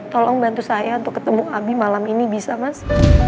tolong bantu saya untuk ketemu abi malam ini bisa mas